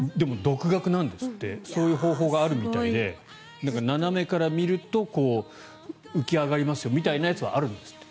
でも独学なんですってそういう方法があるみたいで斜めから見ると浮き上がりますよみたいなやつはあるんですって。